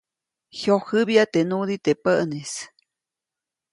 Jyojäbya teʼ nudiʼ teʼ päʼnis.